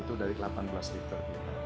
itu dari delapan belas liter